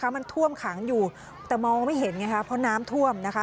มันท่วมขังอยู่แต่มองไม่เห็นไงคะเพราะน้ำท่วมนะคะ